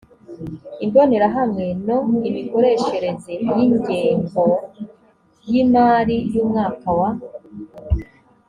imbonerahamwe no imikoreshereze y ingengo y imari y umwaka wa